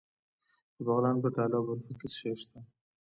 د بغلان په تاله او برفک کې څه شی شته؟